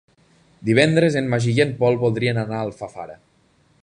Divendres en Magí i en Pol voldrien anar a Alfafara.